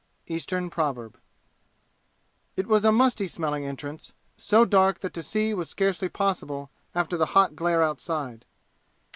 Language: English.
Eastern Proverb It was a musty smelling entrance, so dark that to see was scarcely possible after the hot glare outside.